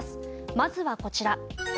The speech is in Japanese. まずはこちら。